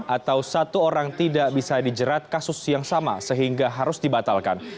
atau satu orang tidak bisa dijerat kasus yang sama sehingga harus dibatalkan